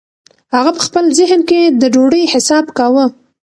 هغه په خپل ذهن کې د ډوډۍ حساب کاوه.